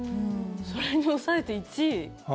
それを抑えて１位？